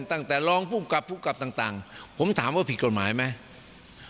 ตั้งแต่รองภูมิกับภูมิกับต่างผมถามว่าผิดกฎหมายไหม